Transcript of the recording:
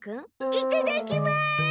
いただきます！